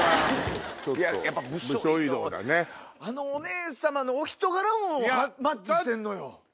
あのお姉様のお人柄もマッチしてんのよ。